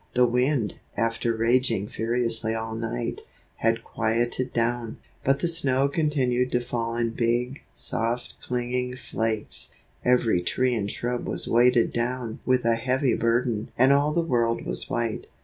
The wind, after raging furiously all night, had quieted down; but the snow continued to fall in big, soft, clinging flakes, every tree and shrub was weighted down with a heavy burden and all the world was white.